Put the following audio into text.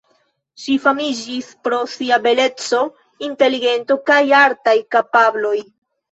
Ŝi famiĝis pro sia beleco, inteligento kaj artaj kapabloj.